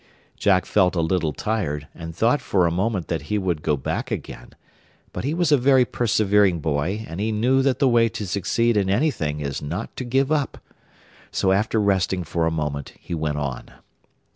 Jack felt a little tired, and thought for a moment that he would go back again; but he was a very persevering boy, and he knew that the way to succeed in anything is not to give up. So after resting for a moment he went on.